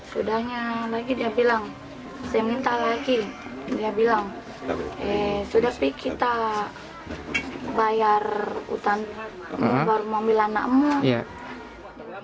sudah lagi dia bilang sudah tapi kita bayar utang baru mau ambil anakmu